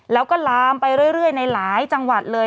แล้วก็ลามไปเรื่อยในหลายจังหวัดเลย